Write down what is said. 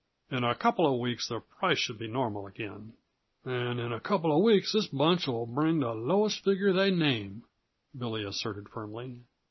In a couple of weeks the price should be normal again." "And in a couple uh weeks this bunch would bring the lowest figure they name," Billy asserted firmly.